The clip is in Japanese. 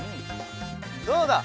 どうだ？